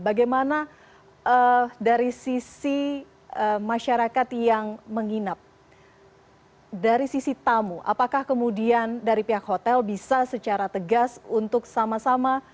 bagaimana dari sisi masyarakat yang menginap dari sisi tamu apakah kemudian dari pihak hotel bisa secara tegas untuk sama sama